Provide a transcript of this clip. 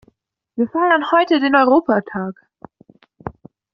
Wir feiern heute den Europatag.